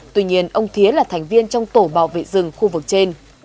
tuy nhiên ông thía là thành viên trong tổ bảo vệ rừng khu vực trên